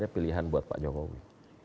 pilihan buat pak jokowi